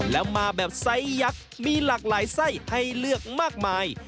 แล้วมาแบบไซส์ยักษ์มีหลากหลายไส้ให้เลือกมากมาย